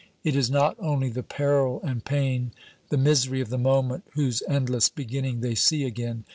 It is not only the peril and pain, the misery of the moment, whose endless beginning they see again.